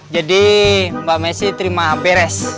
jadi mbak messi terima beres